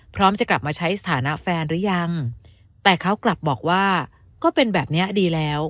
พร้อมจะกลับมาใช้สถานะแฟนหรือยังแต่เขากลับบอกว่าก็เป็นแบบนี้ดีแล้ว